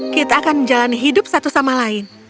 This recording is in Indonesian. kita akan menjalani hidup satu sama lain